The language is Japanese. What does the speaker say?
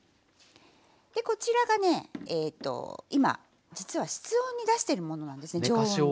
でこちらがねえと今実は室温に出してるものなんですね常温に。